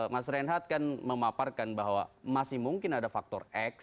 mas reinhardt kan memaparkan bahwa masih mungkin ada faktor x